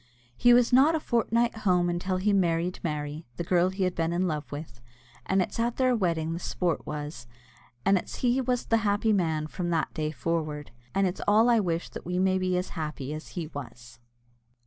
He was not a fortnight at home until he married Mary, the girl he had been in love with; and it's at their wedding the sport was, and it's he was the happy man from that day forward, and it's all I wish that we may be as happy as he was.